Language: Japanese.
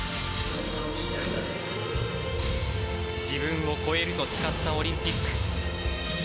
自分を超えると誓ったオリンピック。